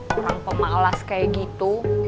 orang pemalas kayak gitu